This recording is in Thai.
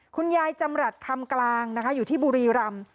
จำรัฐคำกลางนะคะอยู่ที่บุรีรำ